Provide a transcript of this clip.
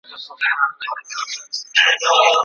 ټولګي کار تمرین د زده کوونکو لپاره ولي مهم دی؟